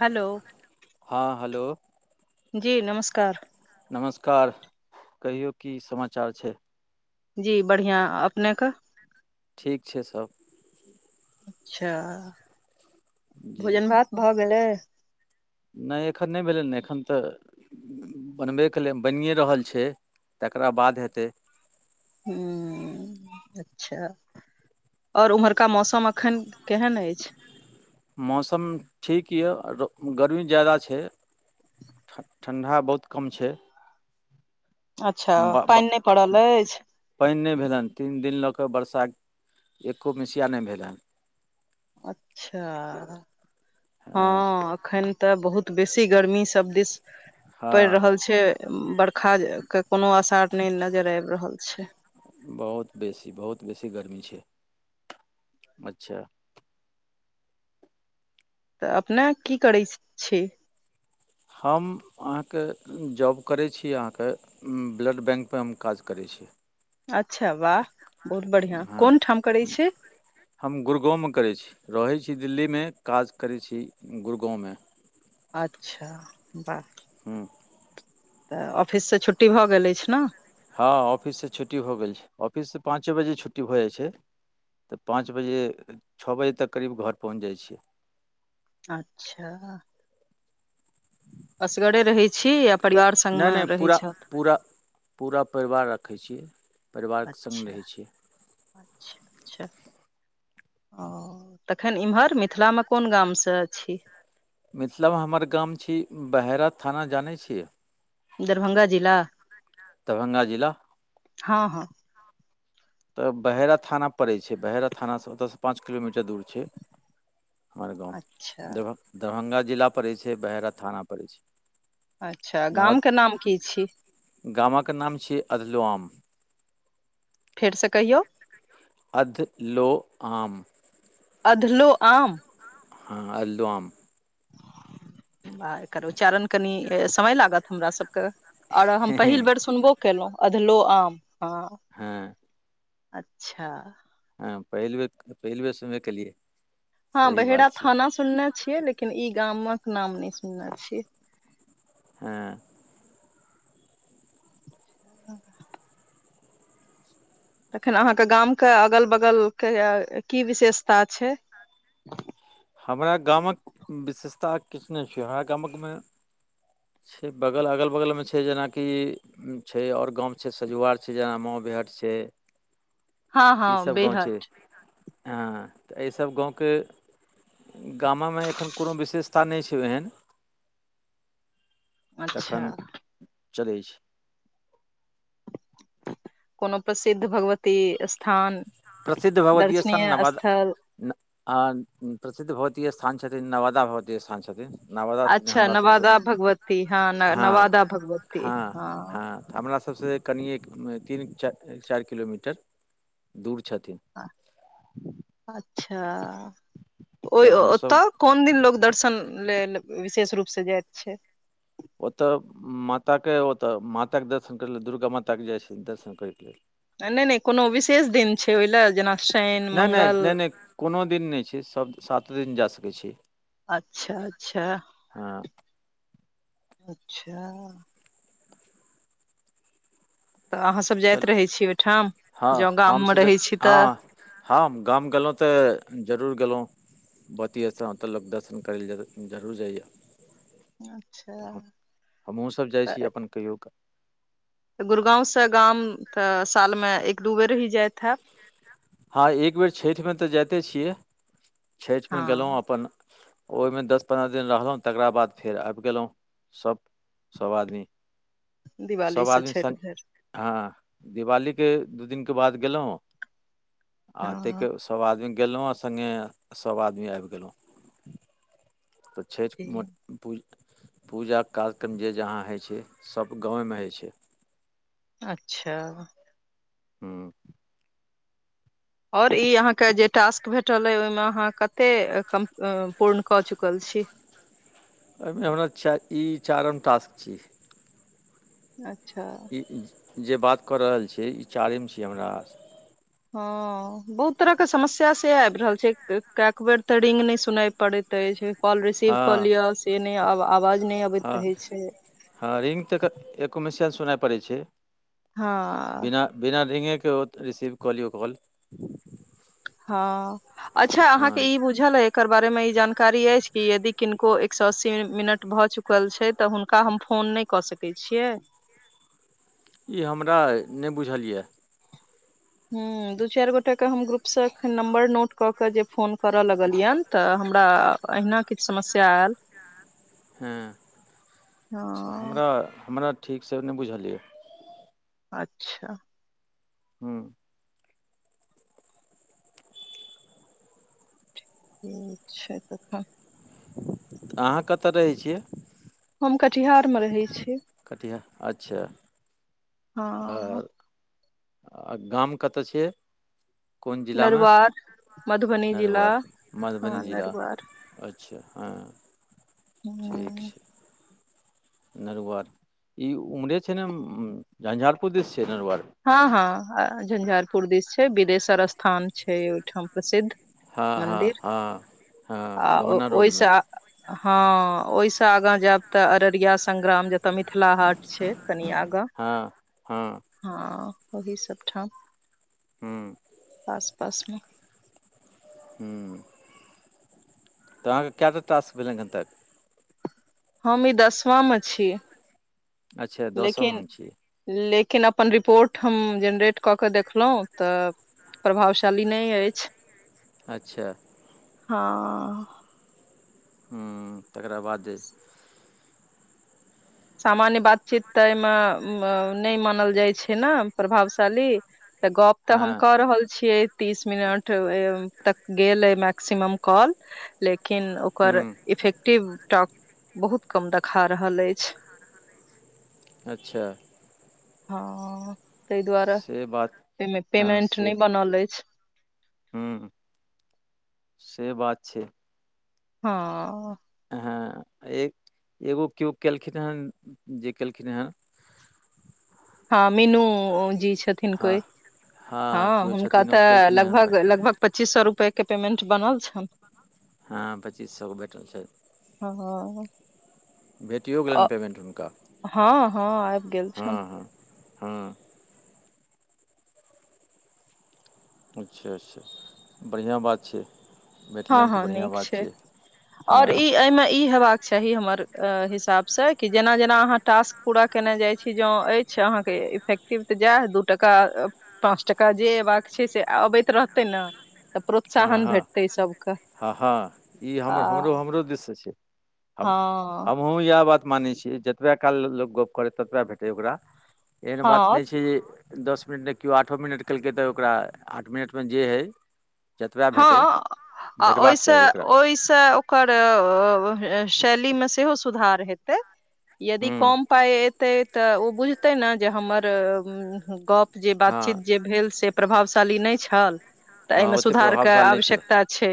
Hello. हँ hello. जी नमस्कार। नमस्कार कहियौ की समाचार छै। जी बढ़िआँ अपनेके। ठीक छै सब। अच्छा जी भोजन भात भऽ गेलै। नहि एखन नहि भेलै ने एखन तऽ। बनबै केले बनिए रहल छै तकरा बाद हेतै। हू। अच्छा आओर ओम्हरका मौसम एखन केहन अछि। मौसम ठीक यए गर्मी ज्यादा छै। ठण्डा बहुत कम छै। अच्छा ब पानि ब नहि पड़ल अछि। पानि नहि भेल हँ तीन दिन लऽ कऽ बरसा एक्कोमसिया नहि भेल हनि। अच्छा हँ। अखन तऽ बहुत बेसी गर्मी सभ दिस। पड़ि हँ रहल छै बरखा के कोनो आसार नहि नजर आबि रहल छै। बहुत बेसी बहुत बेसी गर्मी छै अच्छा। तऽ अपने की करै छी। हम अहाँके जॉब करै छी अहाँके। ब्लड बैंकपर हम काज करै छी। अच्छा वाह बहुत बढ़िियां हँ कोन ठाम करै छी हम गुुरगाँव मऽ करै छी रहैत छी दिल्लीमे काज करै छी गुुरगाँवमे अच्छा बाह हुँ तऽ ऑफिससँ छुट्टी भऽ गेल अइछ नऽ हँ ऑफससँ छुट्टी हो गेल छै ऑफिससँ पाँचे बजे छुट्टी भऽ जाइ छै। तऽ पाँच बजे छ बजे तक करीब घर पहुँच जाइ छियै। अच्छऽ असगरे रहै छी परिवार नय संगमे - नय रहै पूरा छथि - पूरा पूरा परिवार राखै छी परिवारकेँ संग रहै छियै अच्छऽ - अच्छऽ ओ तखैन इम्हर मिथिलामे कोन गामसँ छी मिथिला मे हमर गाम छी बहेरा थाना जानै छियै दरभंगा जिला दरभंगा जिला हँ - हँ तऽ बहेरा थाना पड़ै छै बहेरा थानासँ ओतयसँ पाँच किलो मीटर दूर छै। हमर गाँव अच्छा दरभंग - दरभंगा जिला पड़ै छै बहेरा थाना पड़ै छै। अच्छऽ नवादा गाम केँ नाम की छी गामक नाम छिये अधलोआम फेरसँ कहियौ अध लो आम अधलो आम हँ अलोआम आ एकर उच्चारण कनि समय लागत हमरा सब कऽ आओर हम पहिल बेर हँ सुनबो केलहुँ अधलो आम हँ हँ अच्छा हँ पहिलबे - पहिलबे सुनबे केलियै हँ सही बहेरा बात छै थाना सुनने छियै लेकिन ई गामक नाम नय सुनने छियै हँ अ तखन अहाँ कऽ गाम कऽ अगल बगल कऽ की विशेषता छै हमरा गामक विशेषता किछ नय छै हमरा गामकमे छै बगल अगल बगल मे छै जेनाकि छै आओर गाँउ छै सजुआर छै जेना माँवबेहट छै हँ ई हँ सब गाँव बेहद छै हँ तऽ एयसब गाँव केँ गामामे एखन कोनो विशेषता नय छै ओहेन तखन अच्छा चलै छै कोनो प्रसिद्ध भगवती स्थान प्रसिद्ध भगवतीय स्थान दर्शनीय नवाद स्थल न आ प्रसिद्ध भगवती स्थान छथिन नवदा भगवती स्थान छथिन नवादा छथि अच्छा हमरा सबसँ नवादा भगवती हँ नवादा - भगवती हँ - हँ हमरा सबसँ कनिएक तीन चाइर - चाइर किलो मीटर दूर छथि अच्छा ओ तऽ हमसभ ओतऽ कोन दिन लोग दर्शन लेल विशेष रूप सऽ जाय छै ओतऽ माताक के ओत माताक दर्शन कर लेल दुर्गा माता के जाइ छै दर्शन करैके लेल नहि नहि कोनो विशेष दिन छै ओहि लए जेना शनि नहि नहि मंगल नहि नहि कोनो दिन नहि छै सब सात दिन जा सकै छी अच्छा अच्छा हँ अच्छा तऽ अहाँ सब चल जाइत रहै छी ओहिठाम हँ जो गाम हमसभ मे जा रहै छी तऽ हँ हम गाम गेलहुँ तऽ जरूर गेलहुँ बती ओतऽ ल दर्शन करै लए जरूर जाइएा अच्छा हम हुँ सभ जाइ छी अपन कहियो कऽ तऽ गुरगाँवसँ गाम तऽ सालमे एक दू बेर ही जाइत हेब हँ एक बेर छठि मऽ तऽ जाइते छियै छठि मे गेलहुं हँ अपन ओहिमे दस पन्द्रह दिन रहलहुँ तकरा बाद फेर आबि गेलहुँ सभ सब आदमी दिवाली सभ से आदमी छठि संग धरि हँ दिवालीके दू दिनके बाद गेलहुँ आ ताहिके हँ सभ आदमी गेलहुँ आ संगे सभ आदमी आबि गेलहुँ तऽ जी छठि मऽ पूज पूजाके कार्यक्रम जे जहाँ होइ छै सब गाँवेमे होइ छै अच्छा हूँ ओर ई अहाँके जे टास्क भेटल अऽ अछि ओहिमे अहाँ कते कम पूर्ण कऽ चुकल छी। एहिमे हमरा चा ई चारिम टास्क छी। अच्छा जे बात कऽ रहल छी ई चारिम छी हमरा हँ बहुत तरह के समस्या से आबि रहल छै कियक बेर तऽ रिंग नहि सुना करेत अछि कॉल रिसीव कऽ हँ लिय से नहि आवाज नहि अबैत हँ रहै छै हँ रिङ् तऽ एको मिशिया सुनय पड़ै छै हँ बिना बिना रींगेके रिसीव कऽ लियौ कॉल हँ अच्छा अहाँके हँ ई बुझ बुझल ऐ एकर बारे मे ई जानकारी अछि कि यदि किनको एक सए अस्सी मिनट भऽ चुकल छै तऽ हुनका हम फोन नहि कऽ सकै छियै। ई हमरा नहि बुझल यऽ। हू दू चारि गोटा के हम ग्रुप से एखन नम्बर नोट कऽ के जे फोन करऽ लगलियनि तऽ हमरा अहिना किछु समस्या आयल। हँ हँ हमरा हमरा ठीकसँ नहि बुझलियै। अच्छा हूँ ठीक छै तखन। अहाँ कतऽ रहै छियै? हम कटिहार मऽ रहै छी। कटिहार अच्छा। आ हँ आर आ गाम कतय छियै? कोन जिलामे? नरुआर मधुबनी जिला हँ मधुबनी जिला नरुआर अच्छा हऽ [inaudible] [unintelligible] ठीक छै नरवार ई उम्हरे छै न झंझारपुर दिश छै नरवार। हँ हऽ झंझारपुर दिस छै बिदेशर स्थान छै ओइठाम प्रसिद्ध। हँ हँ मन्दिर हँ हँ [inaudible] आ ओ लोहना ओइ स रोडमे हँ ओइस आगाँ जैब तऽ अररिया संग्राम जत मिथिला हाट छै कनि आगाँ। हऽ हऽ हँ ओहि सब ठाम हुँ [inaudible] आस पास में हु [inaudible] तऽ अहाँकेँ केँ टा तास भेलै अखैन तक हम ई दसवां म छी। अच्छा दसम लेकिन छी। लेकिन अपन रिपोर्ट हम जेनरेट कऽ कऽ देखलो तऽ प्रभावशाली नै ऐछ अच्छा हऽ हु तकरा बाद जे सामान्य बातचीत तऽ अए म नै मानल जाइ छै न प्रभावशाली। तऽ गप तऽ हम हँ कऽ रहल छियै। तीस मिनट तक गेल अऐ मैक्सिमम कॉल लेकिन ओकर हुँ इफेक्टिव टॉक बहुत कम देखा रहल ऐछ। अच्छा हऽ तैय दुआर [inaudible] से बात ओइ में पेमेंट नै बनल ऐछ हू [inaudible] से बात छै। हऽ हँ ए एगो केओ केलखिन हँ जे केलखिन हँ हँ मीनू जी छथिन हँ कोई हँ केओ हुनका छथिन ओ तऽ केलखिन हन हुनका लगभग लगभग पच्चीस सौ रुपैया केँ पेमेंट बनल छन हँ पच्चीस सौ केँ भेठल छैन। [unintelligible] भेटियो गेलन पेमेन्ट हुनका हऽ हऽ आइब गेल छन [unintelligible] हँ अच्छा अच्छा बड़ियाँ बात छै हऽ भेटलनि तऽ हऽ बढ़िआँ नीक बात छै [inaudible] हँ और ई यै में ई हेबाक सही हमर हिसाब स कि जेना जेना अहाँ टास्क पूरा केने जाइ छी जों ऐछ अहाँकेँ इफेक्ट टीव जा दू टाका पाँच टाका जे ऐबाक छै से अबैत रहतै न तऽ हँ प्रोत्साहन हँ भेटतै सभ हँ हँ ई हमर हमरो हमरो दिस स छै हम हँ हमहुँ यैह बात मानै छियै जतबै काल लोक गप करे ततबा भेटे ओकरा एहन बात हँ नै छै जे दस मिनट नै केओ आठो मिनट केलकै तऽ ओकरा आठ मिनट में जे है हँ आ भेटबाक ओइस चाही ओकरा ओइस ओकर शैली में सेहो सुधार हेतै यदि हूँ कम पाइ एतै तऽ ओ बुझतै न जे हमर गप जे हँ बातचीत जे भेल से प्रभावशाली नहि छल तऽ हँ एहिमे ओतेक सुधार के प्रभावशाली नहि छलै आवश्यकता छै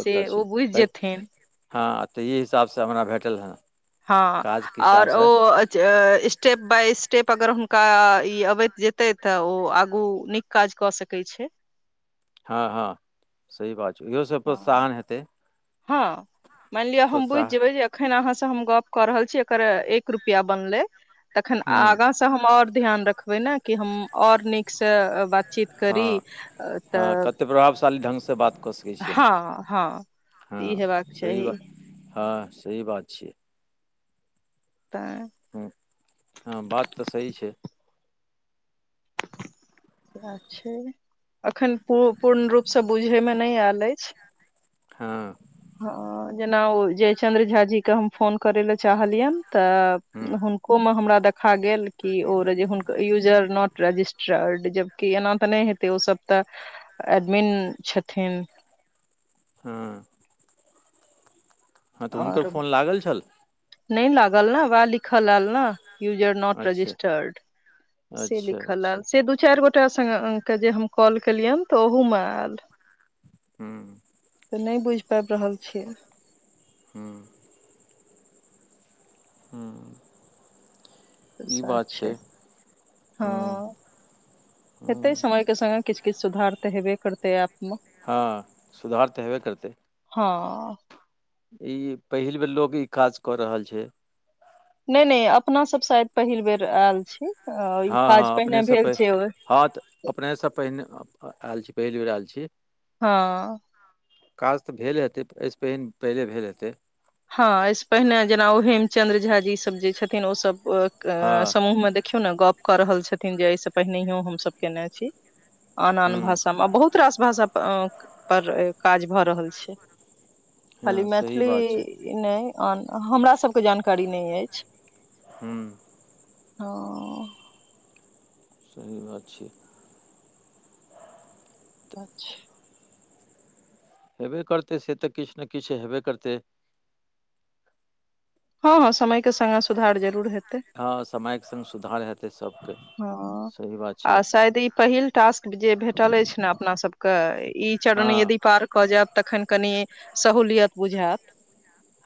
से ओ छै बुझि जेथिन हँ तऽ इ हिसाबसँ हमरा भेटल हेँ हँ आओर ओ स्टेप बाय स्टेप अगर हुनका ई अबैत जेतै तऽ ओ आगू नीक काज कऽ सकै छै हँ हँ सही बात छै इहो सब हँ प्रोत्साहन हेतै प्रो्सन अखेन अहाँ सऽ हम गप कऽ रहल छी एकर एक रुपआ बनलए तखेन हूँ आगा हम और ध्यान रखबे ने कि हम और नीक सऽ ब चित हँ करी हँ तऽ कते प्रभावशाली ढंगसँ बात कऽ छिए हम हँ हँ तऽ ई हँ हेबाक सही चाही बात हँ सही बात छियै तेय हूँ हँ बात तऽ सही छै [unintelligible] सेय छै अखनू पूर्ण रूप से बुझे मे नहि आयल अछि हँ हँ जेना ओ जयचन्द्र झा जी के हम फोन करे लए चाहलियनि हूँ तऽ हुनको मे हमरा देखा गेल कि ओ जे हुनक यूजर नोट रजिस्ट्रारड जबकि एना तऽ नहि हेतै ओसभ तऽ एडमिन छथिन हँ हँ तऽ हुनकर आओर फोन लागल छल नहि लागल नऽ वएह लिखल आयल नऽ यूजर नोट अच्छा रजिस्टूर से अच्छा लिखल अच्छा आयल से दू चार गो एकटा संग के जे हम कॉल केलियनि तऽ ओहू मे आयल हू तऽ नहि बुझि पाबि रहल छियै हूँ हू तऽ ई सएह बात छै हू हँ हू हेतै समय के संग संग किछु किछु सुधार तऽ हेबे करते ऐप मऽ हँ सुधार तऽ हेबे करतै हँ ई पहिल बेर लोगे ई काज कऽ रहल छै नहि नहि अपना सब शायद पहिल बेर आयल छी ई हँ हँ काज पहिने अपनेसँ भेल पहि छै ओ हँ तऽ अपनेसँ पहिने आयल छी पहिल बेर आयल छी हँ काज तऽ भेले हेतै एहिसँ पहि पहिले भेल हेतै हँ एहि सऽ पहिने जेना ओ हेमचंद्र झा जी सब जे छथिन ओ सब हँ समूह मे देख देखियौ ने गप्प कऽ रहल छथिन जे एहि से पहिनयो हम सब केने छी आन आन हुँ भाषा मऽ बहुत बहुत रास भाषा पर काज भऽ रहल छै खाली हँ सही बात छै मैथिली नहि आन हमरा सभके जानकारी नहि अछि हू हँ सही बात छिये अच्छ हेबे करतै से तऽ किछ नय किछ तऽ हेबे करतै हँ - हँ समय केँ संगे सुधार जरूर हेतै हँ समयक संग सुधार है तै सब कऽ हँ आ शायद ई पहिल टास्क जे भेटल अछि नऽ अपना सब कऽ ई चरण हँ यदि पार कऽ जाइब तखैन कनि सहूलियत बुझैत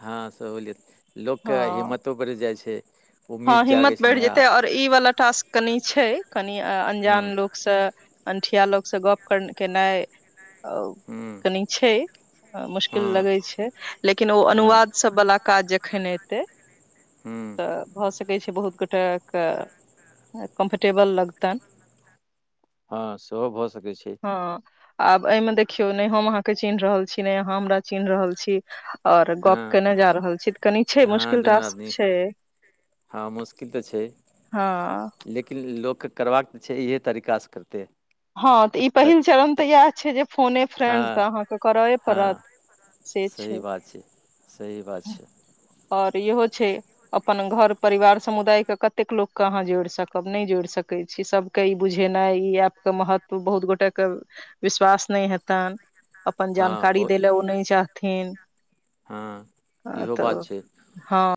हँ सहूलियत लोक केँ हँ हिम्मतो बढ़ि जाइ छै हँ उम्मीद हिम्मत जागै छै बइढ़ नया जेते आओर ई वाला टास्क कनि छै कनि हुँ अंजान लोक सँ अंठिया लोग सँ गप्प कऽ केनाइ हुँ कनि छै हँ मुश्किल लगै छै लेकिन ओ हँ अनुवाद सब वाला काज जखैन एतै हुँ तऽ भऽ सकै छै बहुत गोटे कऽ कम्फर्टेबल लगतैन हँ सेहो भऽ सकै छै हँ आब एहिमे देखियौ नय हम अहाँक चिन्ह रहल छी नय अहाँ हमरा चिन्ह रहल छी आओर हँ गप्प केने जा रहल छी तऽ कनी छै हँ मुश्किल दुनू टास्क आदमी छै हँ मुश्किल तऽ छै हँ लेकिन लोक कऽ करबाक तऽ छै इहे तरीका सँ करतै हँ तऽ ई पहिल चरण तऽ यैह छै जे फोने हँ फ्रेंड तऽ अहाँ कऽ करए हँ पड़त सही बात छै सही बात छै आओर इहो छै अपन घर परिवार समुदाय कऽ कतेक लोक कऽ अहाँ जोइड़ सकब नइ जोइड़ सकै छी सब कऽ ई बुझेनाइ ई ऐप के महत्व बहुत गोटे कऽ विश्वास तय हेतैन अपन हँ बहु जानकारी दै लऽ ओ नय चाहथिन हँ अ, इहो बात तऽ छै हँ